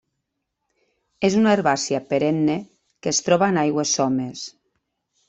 És una herbàcia perenne que es troba en aigües somes.